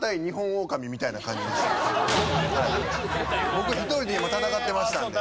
僕一人で今戦ってましたんで。